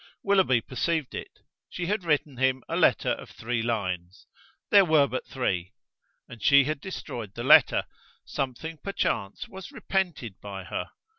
Willoughby perceived it. She had written him a letter of three lines: "There were but three": and she had destroyed the letter. Something perchance was repented by her?